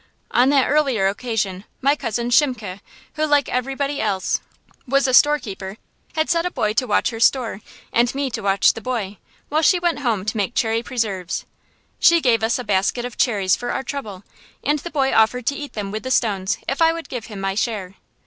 On that earlier occasion my Cousin Shimke, who, like everybody else, was a storekeeper, had set a boy to watch her store, and me to watch the boy, while she went home to make cherry preserves. She gave us a basket of cherries for our trouble, and the boy offered to eat them with the stones if I would give him my share.